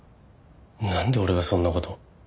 なんで俺がそんな事を？